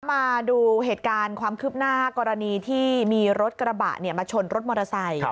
มาดูเหตุการณ์ความคืบหน้ากรณีที่มีรถกระบะมาชนรถมอเตอร์ไซค์